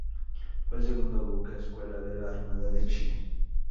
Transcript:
Fue el segundo Buque escuela de la Armada de Chile.